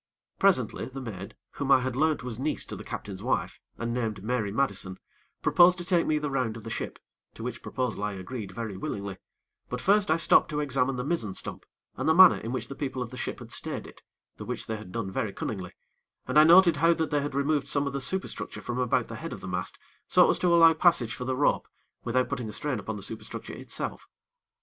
Presently, the maid, whom I had learnt was niece to the captain's wife, and named Mary Madison, proposed to take me the round of the ship, to which proposal I agreed very willingly; but first I stopped to examine the mizzen stump, and the manner in which the people of the ship had stayed it, the which they had done very cunningly, and I noted how that they had removed some of the superstructure from about the head of the mast, so as to allow passage for the rope, without putting a strain upon the superstructure itself.